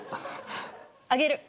あげる。